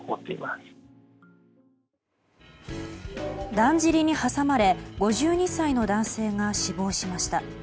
だんじりに挟まれ５２歳の男性が死亡しました。